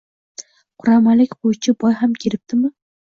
Quramalik qo‘ychi boy ham keliptimi?